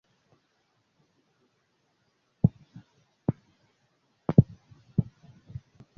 hemejwe burundu amasezerano atandukanye arebana n'burenganzira bwa muntu